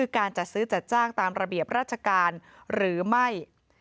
การจัดซื้อจัดจ้างตามระเบียบราชการหรือไม่